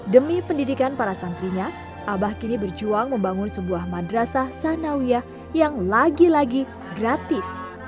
demi pendidikan para santrinya abah kini berjuang membangun sebuah madrasah sanawiyah yang lagi lagi gratis